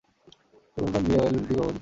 Tipu Sultan BA ও LLB degree অর্জন করেছেন।